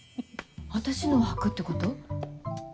私のはくってこと？